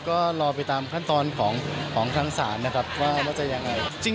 ก็รอไปตามขั้นตอนของทางศาลนะครับว่าจะยังไง